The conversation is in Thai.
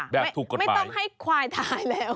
ไม่ต้องให้ควายถ่ายแล้ว